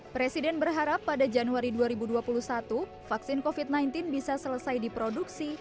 presiden berharap pada januari dua ribu dua puluh satu vaksin covid sembilan belas bisa selesai diproduksi